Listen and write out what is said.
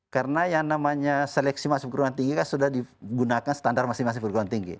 karena yang namanya seleksi masuk perguruan tinggi kan sudah digunakan standar masing masing perguruan tinggi